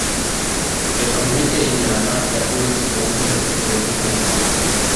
Reka nkubite injyana ya blues wumve ukuntru ari nziza